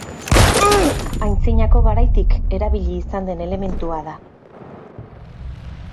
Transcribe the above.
Antzinako garaitik erabili izan den elementua da.